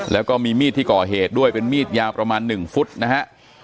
แล้วก็มีมีดที่ก่อเหตุด้วยเป็นมีดยาวประมาณ๑ฟุตนะฮะ